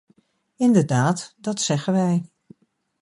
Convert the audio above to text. Inderdaad, dat zeggen wij.